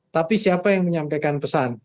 tapi siapa yang menyampaikan pesan